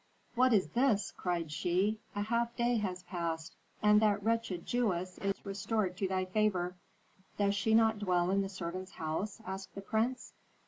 "What is this?" cried she. "A half day has passed, and that wretched Jewess is restored to thy favor." "Does she not dwell in the servants' house?" asked the prince.